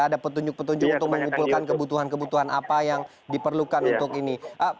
ada petunjuk petunjuk untuk mengumpulkan kebutuhan kebutuhan apa yang diperlukan untuk ini